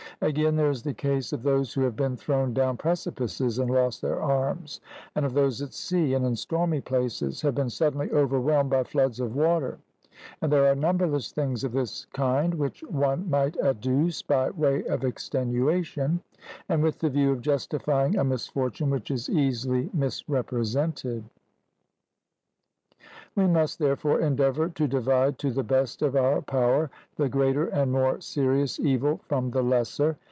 Again, there is the case of those who have been thrown down precipices and lost their arms; and of those who at sea, and in stormy places, have been suddenly overwhelmed by floods of water; and there are numberless things of this kind which one might adduce by way of extenuation, and with the view of justifying a misfortune which is easily misrepresented. We must, therefore, endeavour to divide to the best of our power the greater and more serious evil from the lesser.